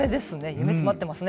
夢、詰まってますね。